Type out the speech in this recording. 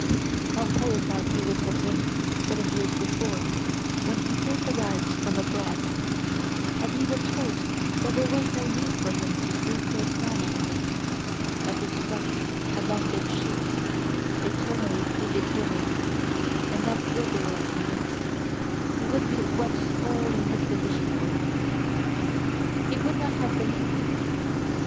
How horrified he would have been seven years before, when he first arrived from abroad, had he been told that there was no need for him to seek or plan anything, that his rut had long been shaped, eternally predetermined, and that wriggle as he might, he would be what all in his position were. He could not have believed it!